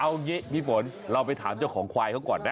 เอางี้พี่ฝนเราไปถามเจ้าของควายเขาก่อนนะ